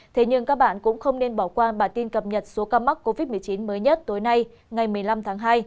thế nhưng các bạn cũng không nên bỏ qua bản tin cập nhật số ca mắc covid một mươi chín mới nhất tối nay ngày một mươi năm tháng hai